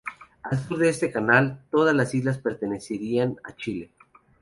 Al sur de este canal todas las islas pertenecerían a Chile.